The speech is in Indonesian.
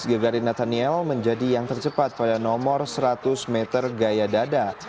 gebrari nataniel menjadi yang tercepat pada nomor seratus meter gaya dada